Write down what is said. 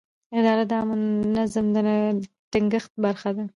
اداره د عامه نظم د ټینګښت برخه ده.